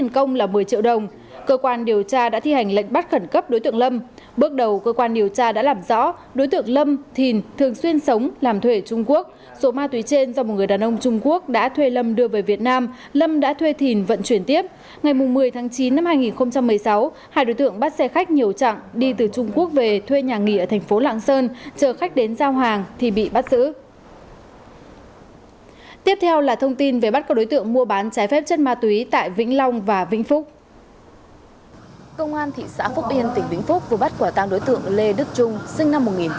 công an thị xã phúc yên tỉnh bình phúc vừa bắt quả tăng đối tượng lê đức trung sinh năm một nghìn chín trăm tám mươi năm